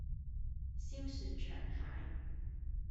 燒雪場蟹